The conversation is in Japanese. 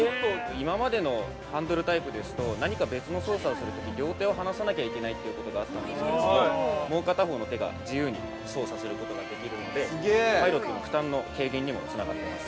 今までのハンドルタイプですと何か別の操作をするとき両手を離さなきゃいけないということがあったんですけどももう片方の手が自由に操作することができるのでパイロットの負担の軽減にもつながってます。